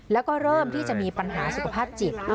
แล้วก็เริ่มที่จะมีปัญหาสุขภาพจิต